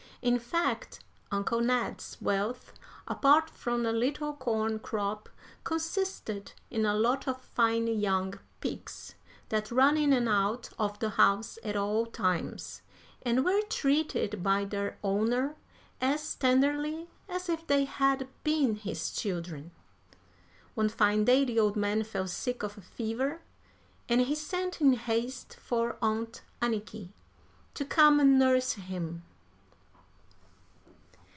In fact, Uncle Ned's wealth, apart from a little corn crop, consisted in a lot of fine young pigs, that ran in and out of the house at all times, and were treated by their owner as tenderly as if they had been his children. One fine day the old man fell sick of a fever, and he sent in haste for Aunt Anniky to come and nurse him.